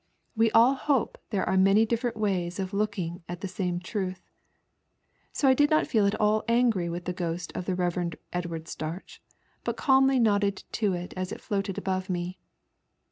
We all hope there are many different ways of looking at the same truth. So I did ■not feel at all angry with the ghost of the Rev. Edward Starch, but calmly nodded to it as it floated ftfcove me.